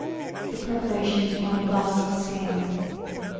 The preparations were on a vast scale.